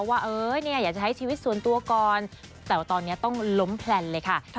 ว่าเออเนี่ยอยากจะใช้ชีวิตส่วนตัวก่อนแต่ว่าตอนนี้ต้องล้มแพลนเลยค่ะ